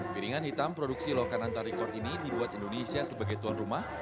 piringan hitam produksi lokan antar record ini dibuat indonesia sebagai tuan rumah